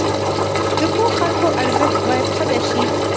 د ښو خلکو ارزښت باید قدر شي.